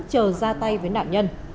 chờ ra tay với nạn nhân